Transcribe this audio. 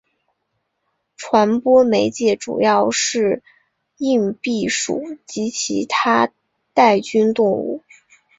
传播媒介主要是硬蜱属及其它带菌动物。